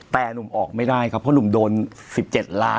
แต่หนุ่มออกไม่ได้ครับเพราะหนุ่มโดน๑๗ล้าน